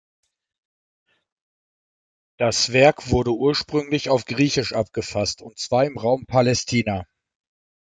Das Werk wurde ursprünglich auf Griechisch abgefasst, und zwar im Raum Palästina.